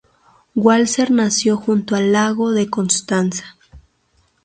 Walser nació junto al lago de Constanza.